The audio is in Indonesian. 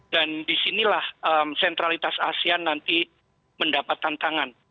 dan disinilah sentralitas asean nanti mendapat tantangan